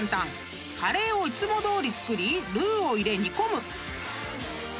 ［カレーをいつもどおり作りルーを入れ煮込む］